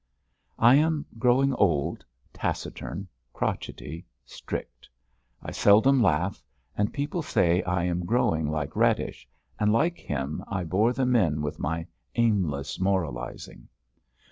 I am growing old, taciturn, crotchety, strict; I seldom laugh, and people say I am growing like Radish, and, like him, I bore the men with my aimless moralising.